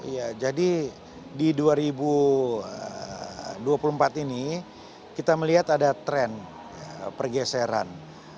ya jadi di dua ribu dua puluh empat ini kita melihat ada tren pergeseran